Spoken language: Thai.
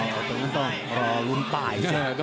ต้องรอรุ้นตายจ้ะ